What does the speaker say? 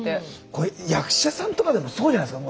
これ役者さんとかでもそうじゃないですか。